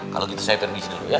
kalau gitu saya permisi dulu ya